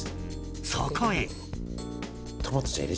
そこへ。